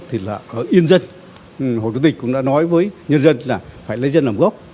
thì là ở yên dân hồ chủ tịch cũng đã nói với nhân dân là phải lấy dân làm gốc